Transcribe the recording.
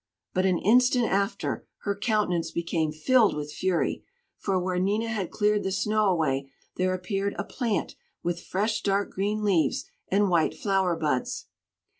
But an instant after, her countenance became filled with fury, for where Nina had cleared the snow away, there appeared a plant with fresh dark green leaves and white flower buds!